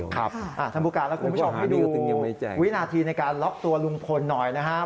ท่านผู้การและคุณผู้ชมให้ดูวินาทีในการล็อกตัวลุงพลหน่อยนะครับ